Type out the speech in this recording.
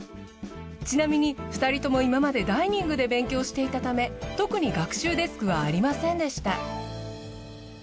ちなみに２人とも今までダイニングで勉強していたため特に学習デスクはありませんでした。